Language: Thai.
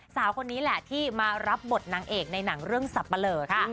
สาวคนนี้แหละที่มารับบทนางเอกในหนังเรื่องสับปะเลอค่ะ